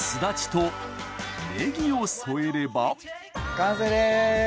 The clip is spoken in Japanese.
完成です。